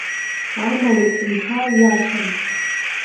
Амала, исымҳәар иашам.